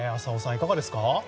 いかがですか。